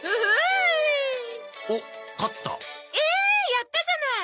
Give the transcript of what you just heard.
やったじゃない！